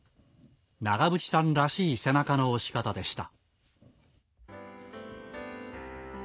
長渕さんらしい背中の押し方でした。